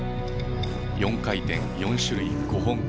４回転４種類５本。